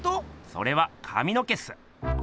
それはかみの毛っす。